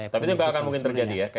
tapi itu juga akan mungkin terjadi ya